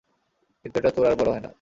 কিন্তু এটা তোর আর বড় হয় না।